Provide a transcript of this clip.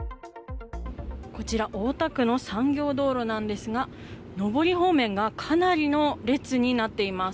こちら大田区の産業道路なんですが上り方面がかなりの列になっています。